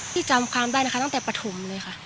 จำความได้นะคะตั้งแต่ปฐุมเลยค่ะ